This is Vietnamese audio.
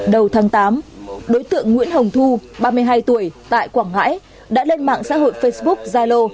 đầu tháng tám đối tượng nguyễn hồng thu ba mươi hai tuổi tại quảng ngãi đã lên mạng xã hội facebook zalo